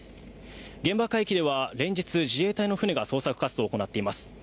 現場海域では連日、自衛隊の船が捜索活動を行っています。